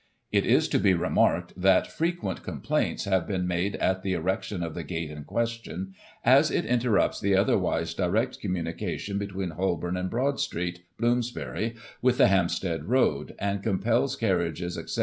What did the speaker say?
It is to be remarked that frequent complaints have been made at the erection of the gate in question, as it in terrupts the otherwise direct communication between Holbom and Broad Street, Bloomsbury, with the Hampstead Road, and compels carriages, etc.